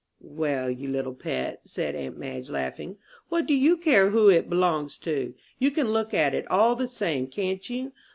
"Well, you little pet," said aunt Madge, laughing, "what do you care who it b'longs to? You can look at it all the same, can't you?"